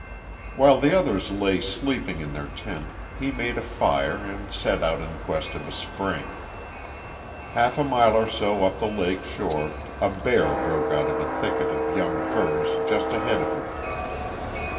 While the others lay sleeping in their tent, he made a fire and set out in quest of a spring. Half a mile or so up the lake shore a bear broke out of a thicket of young firs just ahead of him.